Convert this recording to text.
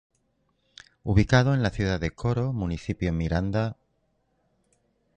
Ubicado en la ciudad de Coro, Municipio Miranda, Av.